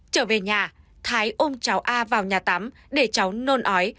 trở về nhà thái ôm cháu a vào nhà tắm để cháu nôn ói